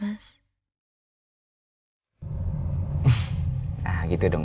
hanya karena misalnya kami bekerja sering dua